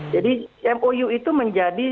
jadi mou itu menjadi